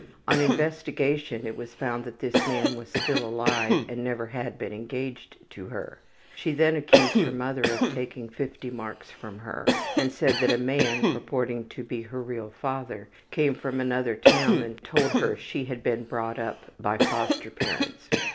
On investigation it was found that this man was still alive and never had been engaged to her. She then accused her mother of taking 50 marks from her and said that a man, purporting to be her real father, came from another town and told her she had been brought up by foster parents.